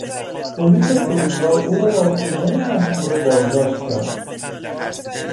پلیس فرودگاه او را با پولهای مسروقه باز داشت کرد.